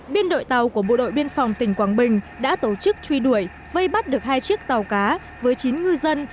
biên đội tàu của bộ đội biên phòng tỉnh quảng bình đã tổ chức truy đuổi vây bắt được hai chiếc tàu cá với chín ngư dân